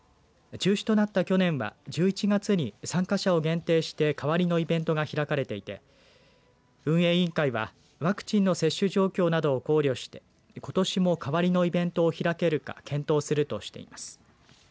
中止となった去年は１１月に参加者を限定して代わりのイベントが開かれていて運営委員会はワクチンの接種状況などを考慮してことしも代わりのイベントを開けるか検討するとしています。